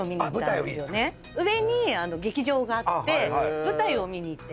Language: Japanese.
上に劇場があって舞台を見に行って。